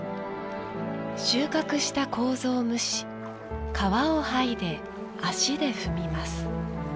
収穫した、楮を蒸し皮を剥いで、足で踏みます。